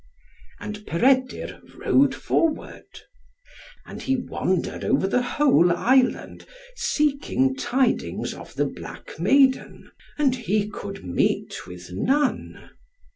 And Peredur rode forward. And he wandered over the whole island, seeking tidings of the black maiden, and he could meet with none.